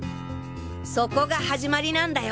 そこが始まりなんだよ。